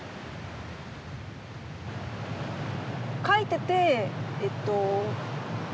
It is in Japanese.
描いててえっと